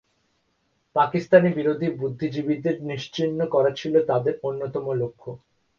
পাকিস্তান বিরোধী বুদ্ধিজীবীদের নিশ্চিহ্ন করা ছিল তাদের অন্যতম লক্ষ্য।